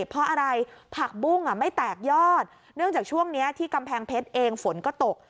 เพราะอะไรผักบุ้งไม่แตกยอดเนื่องจากช่วงนี้ที่กำแพงเพชรเองฝนก็ตก